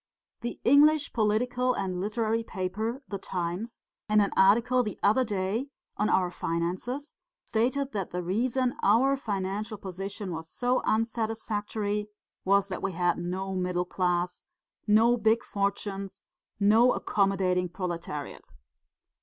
The English political and literary paper, The Times, in an article the other day on our finances stated that the reason our financial position was so unsatisfactory was that we had no middle class, no big fortunes, no accommodating proletariat.'